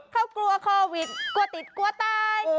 เขากลัวโควิดกลัวติดกลัวตาย